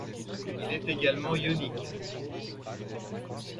Il est également ionique.